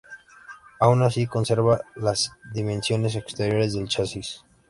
Aun así conserva las dimensiones exteriores del chasis.